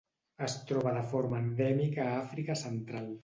Es troba de forma endèmica a Àfrica Central.